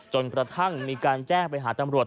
จนกระทั่งมีการแจ้งไปหาตำรวจ